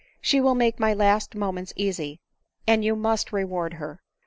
She will make my last moments easy, and you must reward her.